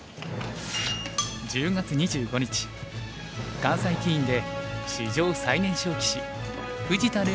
１０月２５日関西棋院で史上最年少棋士藤田怜